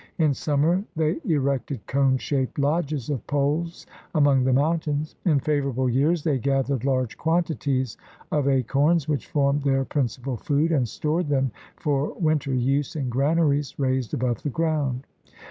In summer they erected cone shaped lodges of poles among the mountains. In favorable years they gathered large quantities of acorns, which formed their principal food, and stored them for winter use in granaries raised above the ground.